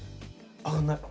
あがんない。